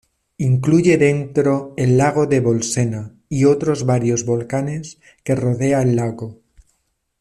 Incluye dentro el lago de Bolsena, y otros varios volcanes que rodea el lago.